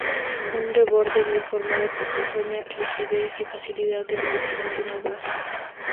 Un reborde bien formado proporciona rigidez y facilidad de manipulación al vaso.